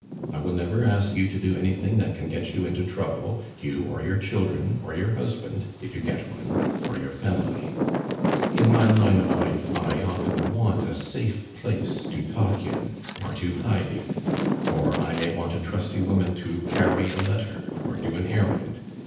I will never ask you to do anything that can get you into trouble, you or your children, or your husband, if you get one, or your family. "In my line of life I often want a safe place to talk in or to hide in. Or I may want a trusty woman to carry a letter or do an errand.